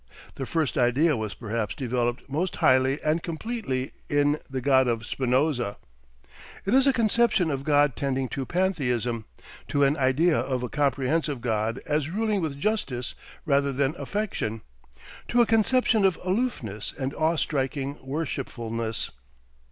The first idea was perhaps developed most highly and completely in the God of Spinoza. It is a conception of God tending to pantheism, to an idea of a comprehensive God as ruling with justice rather than affection, to a conception of aloofness and awestriking worshipfulness.